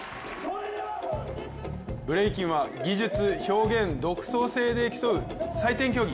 ブレイキンは技術、表現、独創性で競う採点競技。